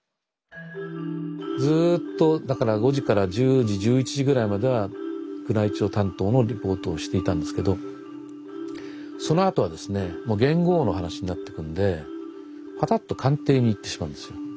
ずっとだから５時から１０時１１時ぐらいまでは宮内庁担当のリポートをしていたんですけどそのあとはですねもう元号の話になってくんでパタッと官邸に行ってしまうんですよ。